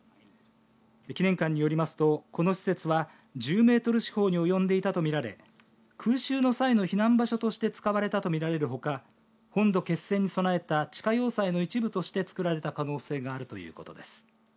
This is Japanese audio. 記念館によりますとこの施設は１０メートル四方に及んでいたと見られ空襲の際の避難場所として使われたと見られるほか本土決戦に備えた地下要塞の一部として造られた可能性があるということです。